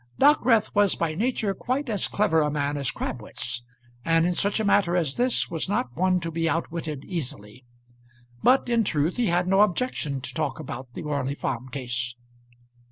Dockwrath was by nature quite as clever a man as Crabwitz, and in such a matter as this was not one to be outwitted easily; but in truth he had no objection to talk about the Orley Farm case.